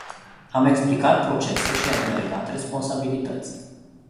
Am explicat procese și am delegat responsabilități.